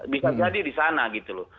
bisa jadi di sana gitu loh